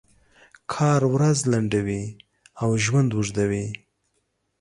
کار ورځ لنډوي او ژوند اوږدوي.